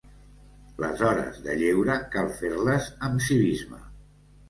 Les hores de lleure cal fer-les amb civisme.